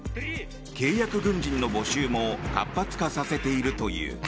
契約軍人の募集も活発化させているという。